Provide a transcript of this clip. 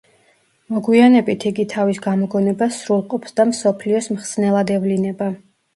მოგვიანებით იგი თავის გამოგონებას სრულყოფს და მსოფლიოს მხსნელად ევლინება.